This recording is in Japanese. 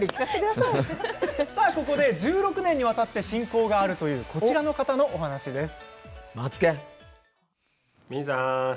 ここで、１６年にわたって親交があるというこちらの方のお話です。